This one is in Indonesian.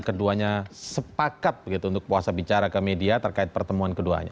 keduanya sepakat untuk puasa bicara ke media terkait pertemuan keduanya